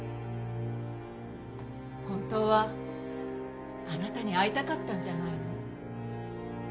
本当はあなたに会いたかったんじゃないの？